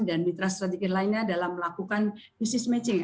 dan mitra strategi lainnya dalam melakukan business matching